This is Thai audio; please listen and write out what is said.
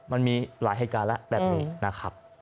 มันมีหลายเหตุการณ์แล้วแบบนี้นะครับ